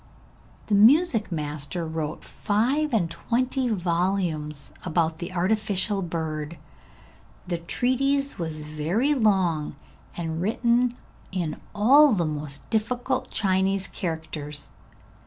The music master wrote five and twenty volumes about the artificial bird; the treatise was very long and written in all the most difficult Chinese characters.